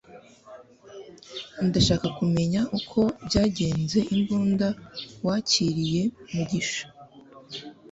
ndashaka kumenya uko byagenze imbunda wakiriye mugisha